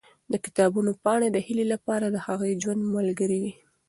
د کتابونو پاڼې د هیلې لپاره د هغې د ژوند ملګرې وې.